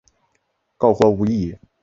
告官无益也。